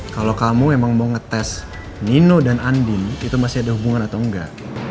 kalau kamu memang mau ngetes nino dan andin itu masih ada hubungan atau enggak